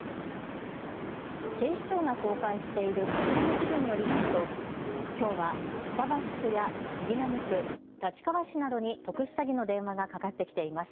警視庁が公開しているこちらの地図によりますときょうは板橋区や杉並区、立川市などに特殊詐欺の電話がかかってきています。